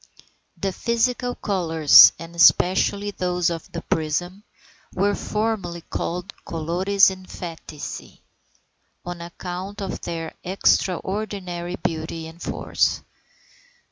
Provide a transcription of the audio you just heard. The physical colours, and especially those of the prism, were formerly called "colores emphatici," on account of their extraordinary beauty and force.